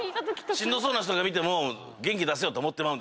しんどそうな人見ても元気出せよと思ってまう？